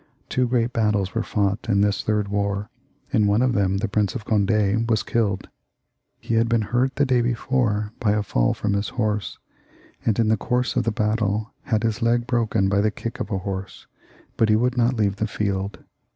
Two great battles were fought in this third war; in one of them the Prince of Cond4 was killed. He had been hurt the day before by a faU from his horse, and in the course of the battle had his leg broken by a horse's kick, but he would not leave the field.